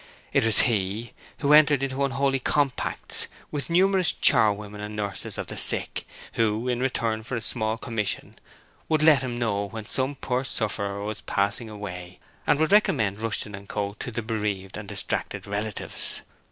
He it was who entered into unholy compacts with numerous charwomen and nurses of the sick, who in return for a small commission would let him know when some poor sufferer was passing away and would recommend Rushton & Co. to the bereaved and distracted relatives.